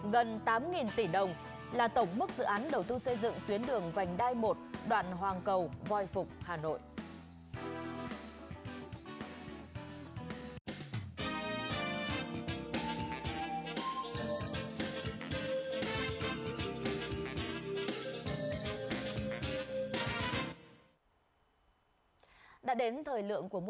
gần tám tỷ đồng là tổng mức dự án đầu tư xây dựng tuyến đường vành đai một đoạn hoàng cầu voài phục hà nội